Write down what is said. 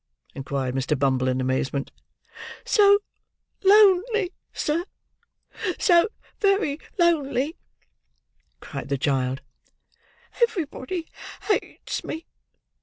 inquired Mr. Bumble in amazement. "So lonely, sir! So very lonely!" cried the child. "Everybody hates me.